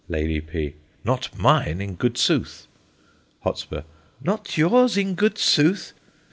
Lady P. Not mine, in good sooth. Hot. Not yours, in good sooth!